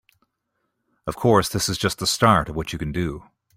Of course, this is just the start of what you can do.